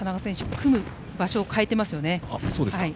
組む場所を変えていますね。